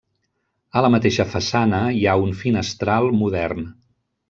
A la mateixa façana hi ha un finestral modern.